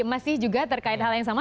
masih juga terkait hal yang sama